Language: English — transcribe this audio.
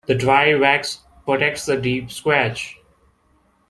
The dry wax protects the deep scratch.